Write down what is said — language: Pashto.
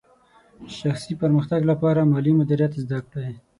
شخصي پرمختګ لپاره مالي مدیریت زده کړئ.